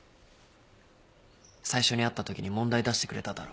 最初に会ったときに問題出してくれただろ？